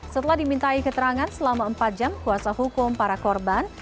setelah dimintai keterangan selama empat jam kuasa hukum para korban